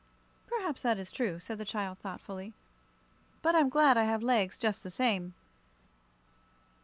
"Perhaps that is true," said the child, thoughtfully; "but I'm glad I have legs, just the same."